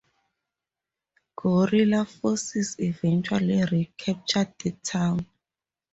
Guerrilla forces eventually re-captured the town.